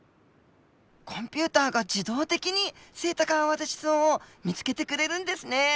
コンピューターが自動的にセイタカアワダチソウを見つけてくれるんですね。